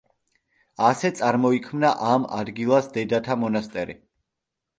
ასე წარმოიქმნა ამ ადგილას დედათა მონასტერი.